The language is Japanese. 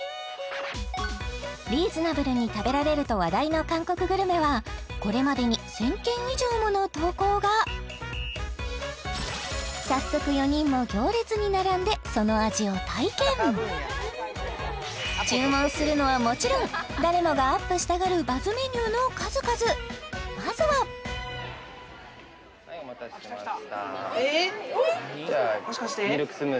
リーズナブルに食べられると話題の韓国グルメはこれまでに１０００件以上もの投稿が早速４人も行列に並んでその味を体験注文するのはもちろん誰もがアップしたがるバズメニューの数々まずははいお待たせしましたあっ来た来たえっ！？